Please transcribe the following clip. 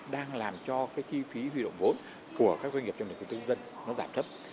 đang làm cho cái kỳ phí huy động vốn của các doanh nghiệp trong lĩnh vực kinh tế dân nó giảm thấp